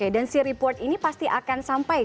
dan si report ini pasti akan sampai